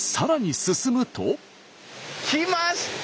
きました！